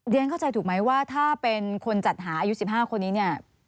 เดี๋ยวน่ะเข้าใจถูกมั้ยว่าถ้าเป็นคนจัดหาอายุ๑๕คนนี้